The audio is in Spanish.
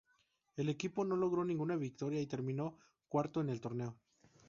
El equipo no logró ninguna victoria y terminó cuarto en el torneo.